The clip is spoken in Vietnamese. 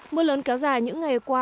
mưa lớn kéo dài những ngày qua